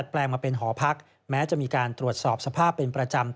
แปลงมาเป็นหอพักแม้จะมีการตรวจสอบสภาพเป็นประจำ